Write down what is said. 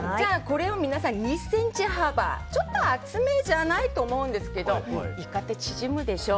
皆さん２ｃｍ幅ちょっと厚めじゃないと思うんですけどイカって縮むでしょう？